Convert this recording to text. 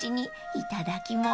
いただきます。